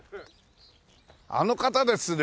あの方ですね。